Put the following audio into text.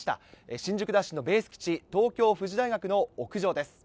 新宿ＤＡＳＨのベース基地、東京富士大学の屋上です。